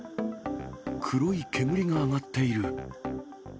黒い煙が上がっている。